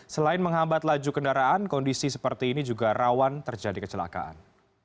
selain menghambat laju kendaraan kondisi seperti ini juga rawan terjadi kecelakaan